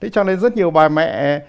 cho nên rất nhiều bà mẹ